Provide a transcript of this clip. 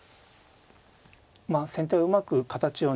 まあ先手をうまく形をね